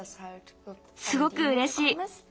すごくうれしい。